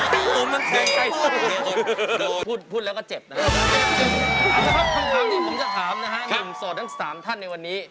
ครับคำถามที่ผมจะถามนะครับหุ่นสอดทั้ง๓ท่านในวันนี้